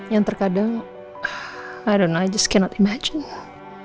yang terkadang i don't know i just cannot imagine